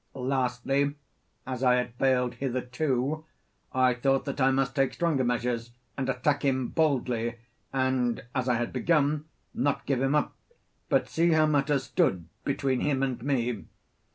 Lastly, as I had failed hitherto, I thought that I must take stronger measures and attack him boldly, and, as I had begun, not give him up, but see how matters stood between him and me.